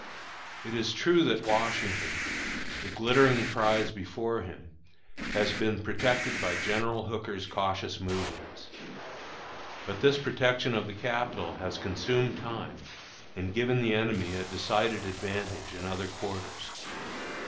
It is true that Washington, the glittering prize before him, has been protected by General Hooker's cautious movements. But this protection of the Capital has consumed time and given the enemy a decided advantage in other quarters.